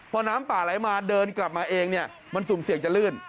พอน้ำป่าไหลมาเดินกลับมาเองเนี่ยมันสุ่มเสี่ยงจะลื่น